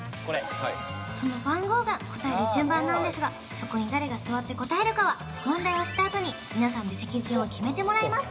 その番号が答える順番なんですがそこに誰が座って答えるかは問題を知ったあとに皆さんで席順を決めてもらいます